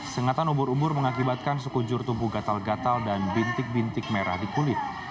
sengatan ubur ubur mengakibatkan suku jur tubuh gatal gatal dan bintik bintik merah di kulit